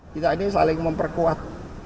kita ini saling memperkuat